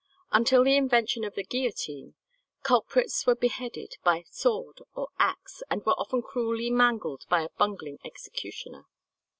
Until the invention of the guillotine, culprits were beheaded by sword or axe, and were often cruelly mangled by a bungling executioner.